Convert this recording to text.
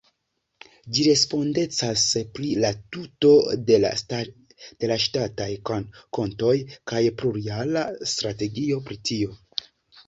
Ĝi respondecas pri la tuto de la ŝtataj kontoj kaj plurjara strategio pri tio.